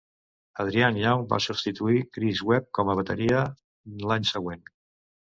Adrian Young va substituir Chris Webb com a bateria l"any següent..